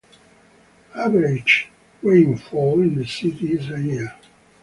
Average rainfall in the city is a year.